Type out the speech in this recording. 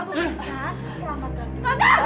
belum kamu berjaga